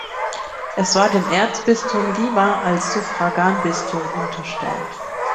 Es war dem Erzbistum Lima als Suffraganbistum unterstellt.